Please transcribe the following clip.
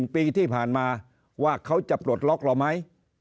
ปีที่ผ่านมาว่าเขาจะปลดล็อกเราไหม